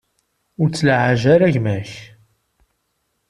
Ur ttlaɛaj ara gma-k.